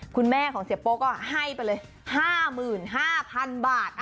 คุณแม่ของเสียโป้ก็ให้ไปเลย๕๕๐๐๐บาท